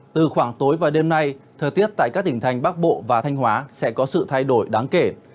từ khoảng tối và đêm nay thời tiết tại các tỉnh thành bắc bộ và thanh hóa sẽ có sự thay đổi đáng kể